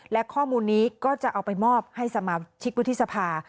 และข้อมูลนี้ก็จะเอาไปมอบให้สมาชิกวุฒิสภา